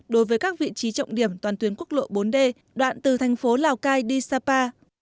đối với các vị trí trọng điểm toàn tuyến quốc lộ bốn d đoạn từ thành phố lào cai đi sapa